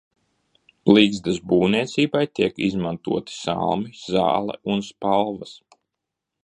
Ligzdas būvniecībai tiek izmantoti salmi, zāle un spalvas.